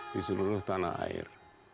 di seluruh tanah air